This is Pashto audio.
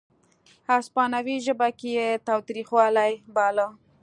هسپانوي ژبه کې یې تاوتریخوالی باله.